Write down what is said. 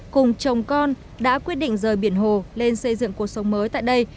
cùng chồng con đã quyết định rời biển hồ lên xây dựng cuộc sống mới tại đây